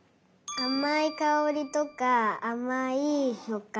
あまいかおりとかあまいしょっかん？